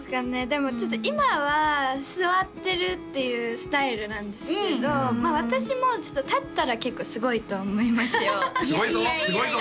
でもちょっと今は座ってるっていうスタイルなんですけど私も立ったら結構すごいと思いますよすごいぞ！